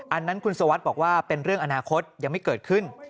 อันนั้นคุณสวัสดิ์บอกว่าเป็นเรื่องอนาคตยังไม่เกิดขึ้น